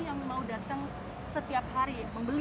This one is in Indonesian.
yang mau datang setiap hari membeli